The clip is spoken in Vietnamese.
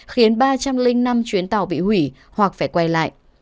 khiến ba trăm linh năm chuyến tàu bị hủy hoặc phải quay lại